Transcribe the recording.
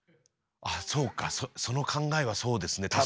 あっそうかその考えはそうですね